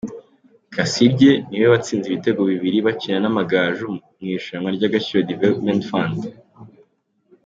Kasirye niwe watsinze ibitego bibiri bakina n’Amagaju mu irushanwa ry’Agaciro Development Fund.